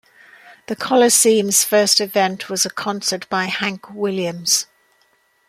The coliseum's first event was a concert by Hank Williams.